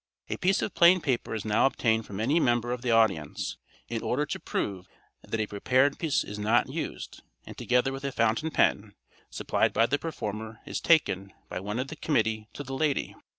A piece of plain paper is now obtained from any member of the audience, in order to prove that a prepared piece is not used, and together with a Fountain Pen, supplied by the performer, is taken, by one of the committee, to the lady.